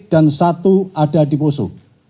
dan satu ada di poso